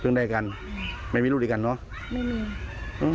พึ่งได้กันไม่มีลูกดีกันเหรอ